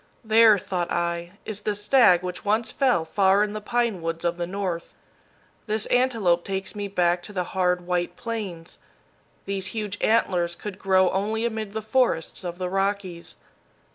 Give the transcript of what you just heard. "There," thought I, "is the stag which once fell far in the pine woods of the North. This antelope takes me back to the hard, white Plains. These huge antlers could grow only amid the forests of the Rockies.